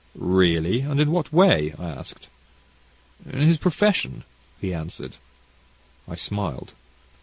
"Really! and in what way?" I asked. "In his profession," he answered. I smiled.